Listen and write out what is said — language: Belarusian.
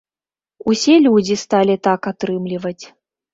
Усе людзі сталі так атрымліваць.